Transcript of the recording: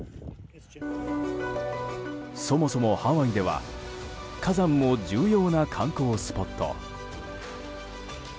そもそもハワイでは火山も重要な観光スポット。